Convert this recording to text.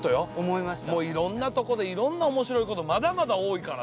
もういろんなとこでいろんな面白いことまだまだ多いからね